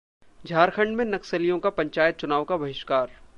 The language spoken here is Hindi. झारखंड में नक्सलियों का पंचायत चुनाव का बहिष्कार